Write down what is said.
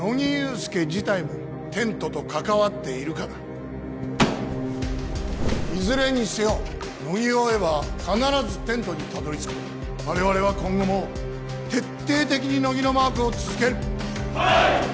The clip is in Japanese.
助自体もテントと関わっているかだいずれにせよ乃木を追えば必ずテントにたどりつく我々は今後も徹底的に乃木のマークを続けるはい！